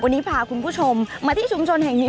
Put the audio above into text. วันนี้พาคุณผู้ชมมาที่ชุมชนแห่งนี้